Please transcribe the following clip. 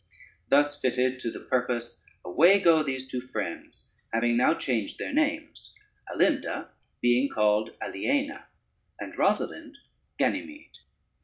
Thus fitted to the purpose, away go these two friends, having now changed their names, Alinda being called Aliena, and Rosalynde Ganymede.